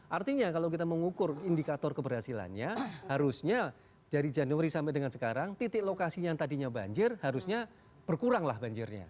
artinya kalau kita mengukur indikator keberhasilannya harusnya dari januari sampai dengan sekarang titik lokasi yang tadinya banjir harusnya berkuranglah banjirnya